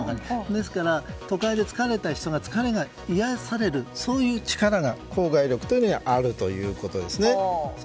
ですから、都会で疲れた人が疲れが癒やされるそういう力が郊外力にはあるということですね。